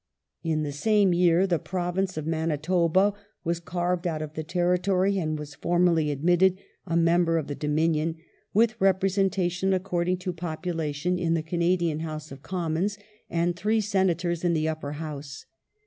364 COLONIAL AND FOREIGN POLICY [1864 the Province of Manitoba was carved out of the Territory, and was formally admitted a member of the Dominion, with representation according to population in the Canadian House of Commons, and three Senatoi s in the Upper House.